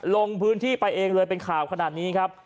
ลงพื้นที่ไปเองเลยเป็นข่าวขนาดนี้ครับ